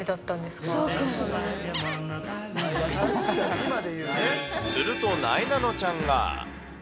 すると、なえなのちゃんが。